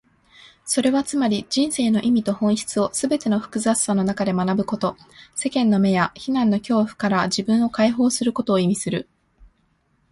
それはつまり、人生の意味と本質をすべての複雑さの中で学ぶこと、世間の目や非難の恐怖から自分を解放することを意味する。